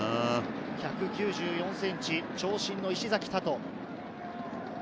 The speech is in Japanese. １９４ｃｍ、長身の石崎大登。